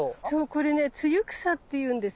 これねツユクサっていうんです。